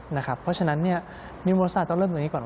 เพราะฉะนั้นมีมอเตอร์ศาสตร์ต้องเริ่มตัวอย่างนี้ก่อน